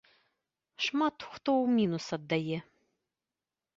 Шмат хто ў мінус аддае.